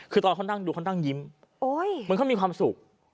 คือตอนเขาดูเขาด้านนั่งยิ้มมันก็มีความสุข